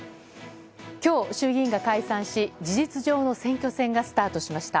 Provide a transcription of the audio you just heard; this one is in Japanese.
今日、衆議院が解散し事実上の選挙戦がスタートしました。